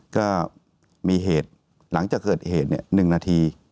ก็มีเหตุหลังจากเกิดเหตุ๑นาที